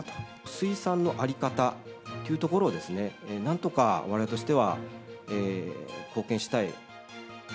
水産の在り方というところを、なんとかわれわれとしては貢献したい。